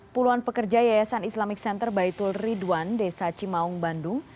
puluhan pekerja yayasan islamic center baitul ridwan desa cimaung bandung